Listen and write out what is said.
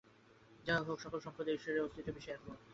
যাহাই হউক, সকল সম্প্রদায়ই ঈশ্বরের অস্তিত্ব-বিষয়ে একমত।